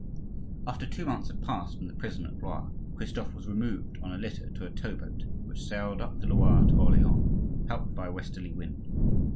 After two months had passed in the prison at Blois, Christophe was removed on a litter to a tow boat, which sailed up the Loire to Orleans, helped by a westerly wind.